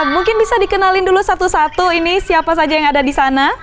mungkin bisa dikenalin dulu satu satu ini siapa saja yang ada di sana